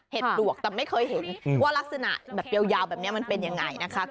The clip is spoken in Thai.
ปลวกแต่ไม่เคยเห็นว่ารักษณะแบบยาวแบบนี้มันเป็นยังไงนะคะ